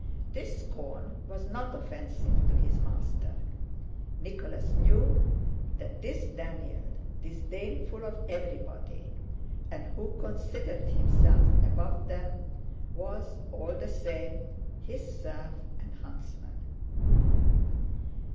This scorn was not offensive to his master. Nicholas knew that this Daniel, disdainful of everybody and who considered himself above them, was all the same his serf and huntsman.